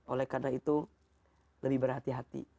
oleh karena itu lebih berhati hati